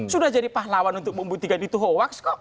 sudah jadi pahlawan untuk membuktikan itu hoax kok